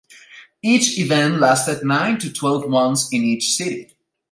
Each event lasted nine to twelve months in each city.